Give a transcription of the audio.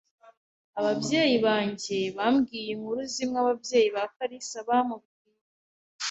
Ababyeyi banjye bambwiye inkuru zimwe ababyeyi ba kalisa bamubwiye.